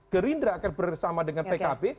gerindra akan bersama dengan pkb